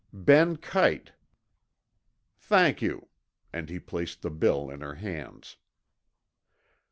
"Ben Kite." "Thank you," and he placed the bill in her hands.